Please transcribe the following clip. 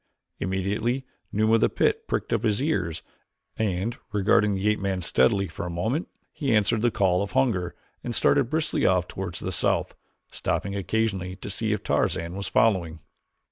Immediately Numa of the pit pricked up his ears and, regarding the ape man steadily for a moment, he answered the call of hunger and started briskly off toward the south, stopping occasionally to see if Tarzan was following.